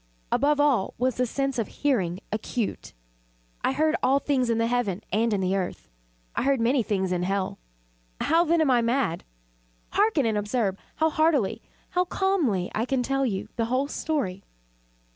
Above all was the sense of hearing acute. I heard all things in the heaven and in the earth. I heard many things in hell. How, then, am I mad? Hearken! and observe how healthily how calmly I can tell you the whole story.